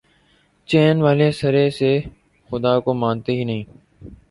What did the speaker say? چین والے سرے سے خدا کو مانتے ہی نہیں۔